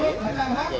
ya itu haknya beliau